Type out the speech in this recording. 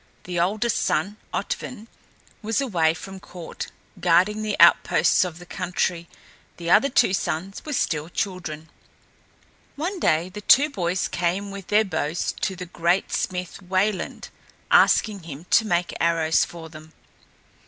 The oldest son, Otvin, was away from court, guarding the outposts of the country; the other two sons were still children. One day the two boys came with their bows to the great smith Wayland, asking him to make arrows for them.